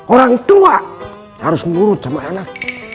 orang tua harus guru sama anak